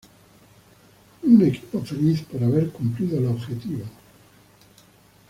Un equipo feliz por haber cumplido el objetivo.